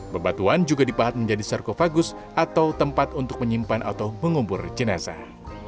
bebatuan juga dipahat menjadi sarkofagus atau tempat untuk menyimpan atau mengubur jenazah